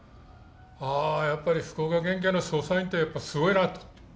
「あやっぱり福岡県警の捜査員ってやっぱすごいな」と。